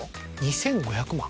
２５００万。